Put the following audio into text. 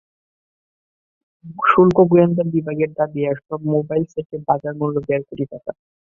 শুল্ক গোয়েন্দা বিভাগের দাবি, এসব মোবাইল সেটের বাজার মূল্য দেড় কোটি টাকা।